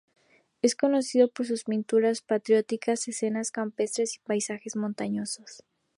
Es conocido por sus pinturas patrióticas, escenas campestres y paisajes montañosos.